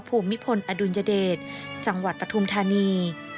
ภูมิพลอดุลยเดชจังหวัดปฐุมธานี